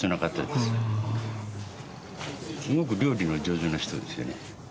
すごく料理が上手な人ですよね。